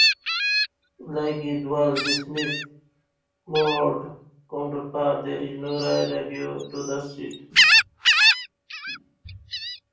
Like its Walt Disney World counterpart, there is no ride audio to the seats.